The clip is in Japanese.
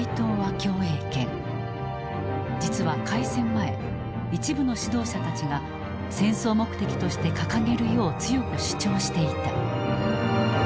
実は開戦前一部の指導者たちが戦争目的として掲げるよう強く主張していた。